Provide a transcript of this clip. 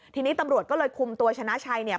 ทีนี้ตำรวจก็เลยคุมตัวชนะชัยเนี่ย